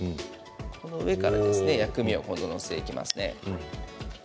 上から薬味を載せていきますね。